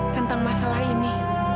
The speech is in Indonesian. tentang masalah ini